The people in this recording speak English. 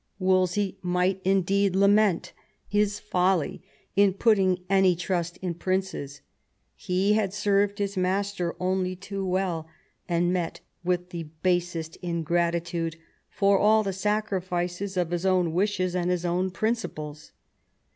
Wolsey might indeed lament his " folly " in putting any trust in princes; he had served his master only too well, and met with the basest ingrati tude for all the sacrifices of his own wishes and his own principles.